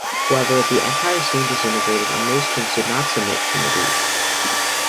However, the empire soon disintegrated and most kings did not submit to Madood.